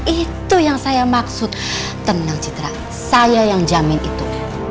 itu yang saya maksud tentang citra saya yang jamin itu